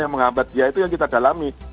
yang menghambat dia itu yang kita dalami